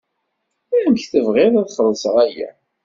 Amek tebɣiḍ ad xellṣeɣ aya?